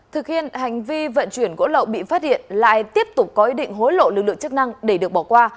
thực hiện hành vi vận chuyển gỗ lậu bị phát hiện lại tiếp tục có ý định hối lộ lực lượng chức năng để được bỏ qua